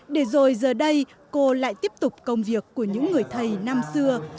để rồi giờ đây cô lại tiếp tục công việc của những người thầy năm xưa